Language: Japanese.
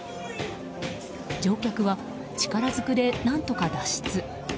乗客は力ずくで何とか脱出。